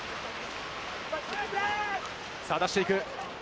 さあ出していく。